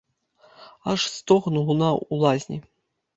Аж стогн лунаў у лазні.